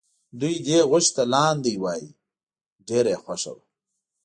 دوی دې غوښې ته لاندی وایه ډېره یې خوښه وه.